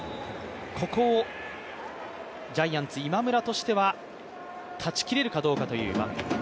ここをジャイアンツ・今村としては断ち切れるかどうかという場面。